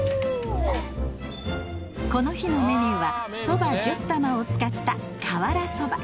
この日のメニューはそば１０玉を使った瓦そば。